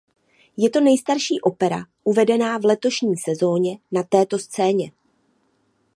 Je to nejstarší opera uvedená v letošní sezóně na této scéně.